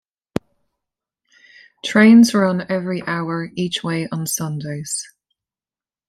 Trains run every hour each way on Sundays.